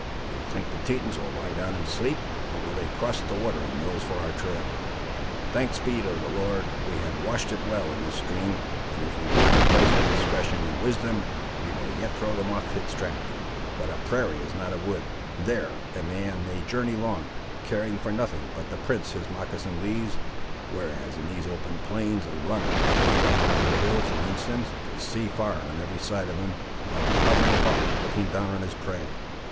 Do you think the Tetons will lie down and sleep; or will they cross the water and nose for our trail? Thanks be to the Lord, we have washed it well in this stream, and if we leave the place with discretion and wisdom, we may yet throw them off its track. But a prairie is not a wood. There a man may journey long, caring for nothing but the prints his moccasin leaves, whereas in these open plains a runner, placed on yonder hill, for instance, could see far on every side of him, like a hovering hawk looking down on his prey.